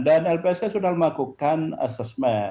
dan lpsk sudah melakukan assessment